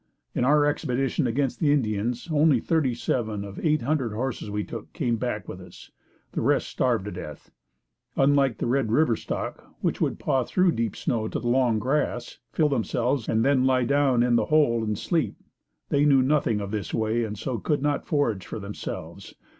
In our expedition against the Indians only thirty seven of the eight hundred horses we took, came back with us. The rest starved to death. Unlike the Red River stock which would paw through the deep snow to the long grass, fill themselves and then lie down in the hole and sleep, they knew nothing of this way and so could not forage for themselves.